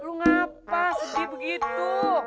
lo ngapa sedih begitu